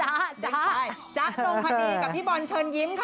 จ๊ะนงพนีกับพี่บอลเชิญยิ้มค่ะ